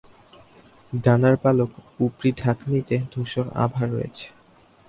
ডানার পালক উপরি-ঢাকনিতে ধূসর আভা রয়েছে।